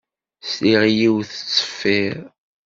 Sliɣ i yiwet tettṣeffiṛ.